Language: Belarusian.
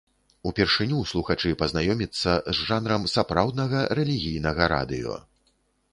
Упершыню слухачы пазнаёміцца з жанрам сапраўднага рэлігійнага радыё.